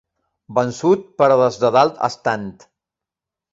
Vençut, però des de dalt estant.